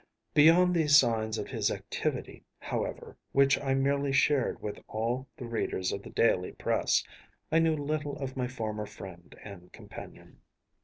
Beyond these signs of his activity, however, which I merely shared with all the readers of the daily press, I knew little of my former friend and companion.